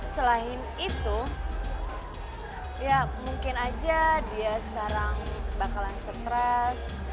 selain itu ya mungkin aja dia sekarang bakalan stres